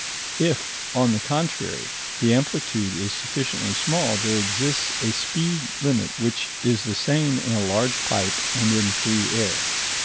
If, on the contrary, the amplitude is sufficiently small, there exists a speed limit which is the same in a large pipe and in free air.